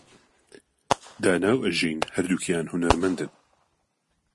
دانا و ئەژین هەردووکیان هونەرمەندن.